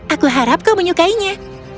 aku harap kau menyukainya